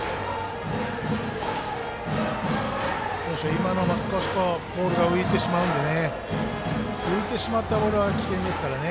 今のも少しボールが浮いてしまうので浮いてしまったボールは危険ですからね。